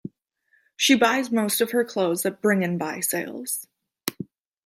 She buys most of her clothes at Bring and Buy sales